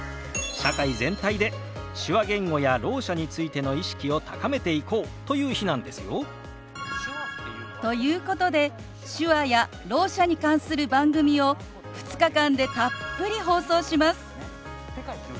社会全体で手話言語やろう者についての意識を高めていこうという日なんですよ。ということで手話やろう者に関する番組を２日間でたっぷり放送します。